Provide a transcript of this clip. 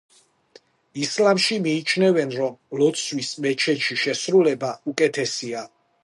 ისლამში მიიჩნევენ, რომ ლოცვის მეჩეთში შესრულება უკეთესია.